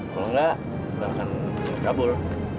kalau enggak lu akan dikabul